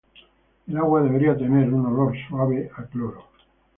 El agua debería tener un olor suave a cloro.